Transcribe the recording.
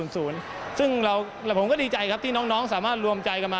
ซึ่งผมก็ดีใจครับที่น้องสามารถรวมใจกันมา